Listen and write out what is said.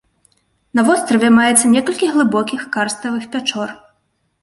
На востраве маецца некалькі глыбокіх карставых пячор.